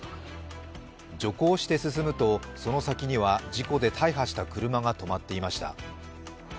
徐行して進むと、その先には事故で大破した車が止まっていました。